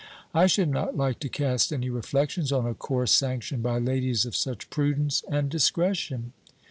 I should not like to cast any reflections on a course sanctioned by ladies of such prudence and discretion."